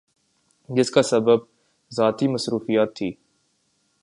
جس کا سبب ذاتی مصروفیت تھی ۔